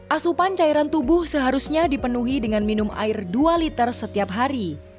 asupan cairan tubuh seharusnya dipenuhi dengan minum air dua liter setiap hari